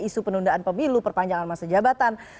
isu penundaan pemilu perpanjangan masa jabatan